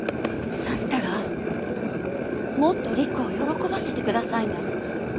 だったらもっとりくを喜ばせてくださいな。